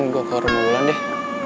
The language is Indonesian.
gue ke rumah ulan deh